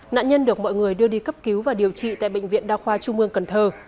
nạn nhân được mọi người đưa đi cấp cứu và điều trị tại bệnh viện đa khoa trung mương cần thơ